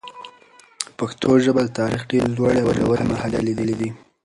پښتو ژبه د تاریخ ډېري لوړي او ژوري مرحلې لیدلي دي.